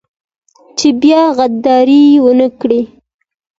چې بيا غداري ونه کړي.